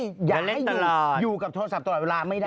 อยอยอยอย่าเล่นอยู่กับโทรศัพท์ตลอดเวลาไข้ไม่ได้